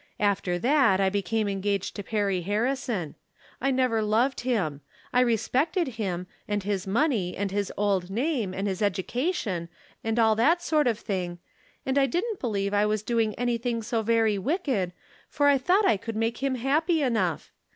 After that I became engaged to Perry Harrison. I never loved him. I respected liim, and his money, and his old name, and liis education, and all that sort of thing ; and I didn't believe I was doing anything so very wicked, for I thought I could make him happy enough.